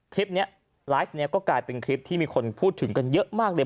คลิปนี้ไลฟ์นี้ก็กลายเป็นคลิปที่มีคนพูดถึงกันเยอะมากเลย